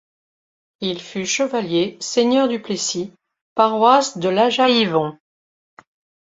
Il fut chevalier, seigneur du Plessis, paroisse de La Jaille-Yvon.